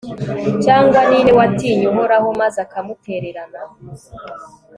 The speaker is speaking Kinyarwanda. cyangwa ni nde watinye uhoraho maze akamutererana